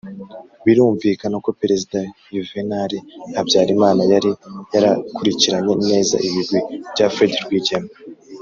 birumvikana ko perezida yuvenali habyarimana yari yarakurikiranye neza ibigwi bya fred rwigema